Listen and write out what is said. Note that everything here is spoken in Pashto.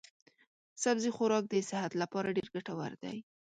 سبزي خوراک د صحت لپاره ډېر ګټور دی.